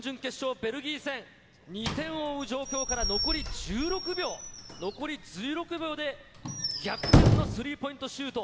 ベルギー戦、２点を追う状況から残り１６秒、残り１６秒で、逆転のスリーポイントシュート。